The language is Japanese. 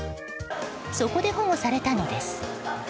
そこで保護されたのです。